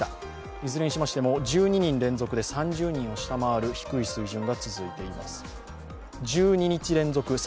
いずれにしましても１２日連続で３９人を下回る低い水準が続いています。